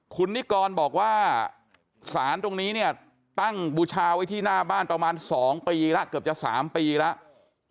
คุณนิกรบอกว่าสารตรงนี้เนี่ยตั้งบูชาไว้ที่หน้าบ้านประมาณ๒ปีแล้วเกือบจะ๓ปีแล้ว